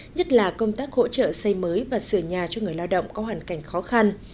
nhất là công tác hỗ trợ xây mới và sửa nhà cho người lao động có hoàn cảnh khó khăn